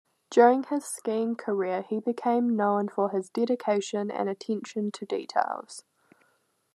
During his skiing career he became known for his dedication and attention to details.